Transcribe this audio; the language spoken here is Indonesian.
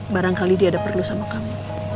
barangkali dia ada perlu sama kamu